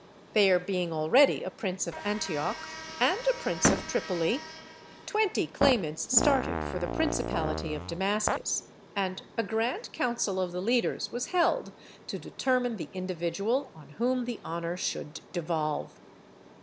There being already a prince of Antioch and a prince of Tripoli, twenty claimants started for the principality of Damascus; and a grand council of the leaders was held to determine the individual on whom the honour should devolve.